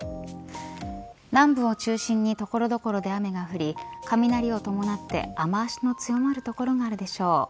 南部を中心に所々で雨が降り雷を伴って雨脚の強まる所があるでしょう。